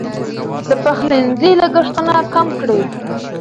د پخلنځي لګښتونه کم کړئ.